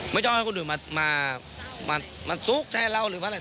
ไม่ต้องให้คนอื่นมาซุกแทนเราหรืออะไร